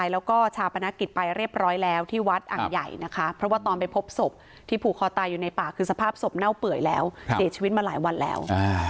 แล้วก็ชาปนกิจไปเรียบร้อยแล้วที่วัดอ่างใหญ่นะคะเพราะว่าตอนไปพบศพที่ผูกคอตายอยู่ในป่าคือสภาพศพเน่าเปื่อยแล้วเสียชีวิตมาหลายวันแล้ว